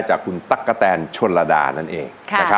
จากคุณตั๊กกะแตนชนระดานั่นเอง